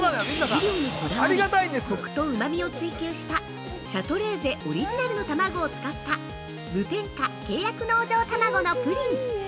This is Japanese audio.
◆飼料にこだわり、コクとうまみを追及したシャトレーゼオリジナルの卵を使った無添加契約農場たまごのプリン。